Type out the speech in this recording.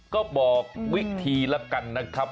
ก็บอกวิธีแล้วกันนะครับ